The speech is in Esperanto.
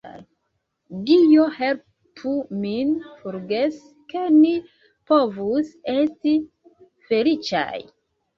Dio helpu min forgesi, ke ni povus esti feliĉaj!